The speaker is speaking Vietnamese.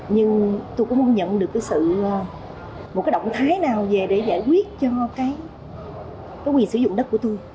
nhưng tôi cũng muốn nhận được cái sự một cái động thái nào về để giải quyết cho cái quyền sử dụng đất của tôi